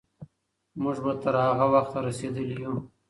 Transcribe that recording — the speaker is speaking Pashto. موږ به تر هغه وخته رسېدلي یو.